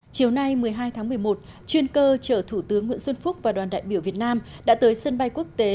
chiều nay một mươi hai tháng một mươi một chuyên cơ chở thủ tướng nguyễn xuân phúc và đoàn đại biểu việt nam đã tới sân bay quốc tế